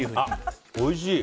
おいしい！